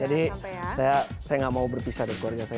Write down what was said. jadi saya gak mau berpisah deh keluarga saya